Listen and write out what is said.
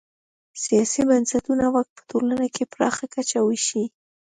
سیاسي بنسټونه واک په ټولنه کې پراخه کچه وېشي.